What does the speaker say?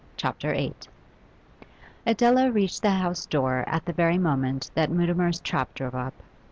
CHAPTER VIII Adela reached the house door at the very moment that Mutimer's trap drove up.